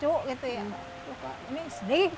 tuh anak anak suka cucu ini sedih